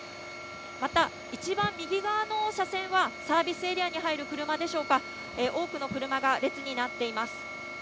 また、一番右側の車線は、サービスエリアに入る車でしょうか、多くの車が列になっています。